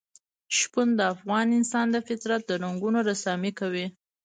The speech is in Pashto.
شپون د افغان انسان د فطرت د رنګونو رسامي کوي.